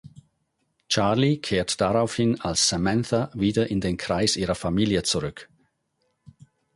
Charly kehrt daraufhin als Samantha wieder in den Kreis ihrer Familie zurück.